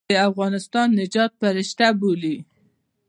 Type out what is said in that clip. د افغانستان د نجات فرشته بولي.